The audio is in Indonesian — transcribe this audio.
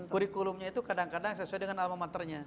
kurikulumnya itu kadang kadang sesuai dengan alma maternya